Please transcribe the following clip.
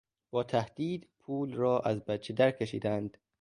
با تهدید پول را از بچه درکشیدند.